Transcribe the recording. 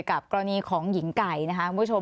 กรณีของหญิงไก่นะคะคุณผู้ชม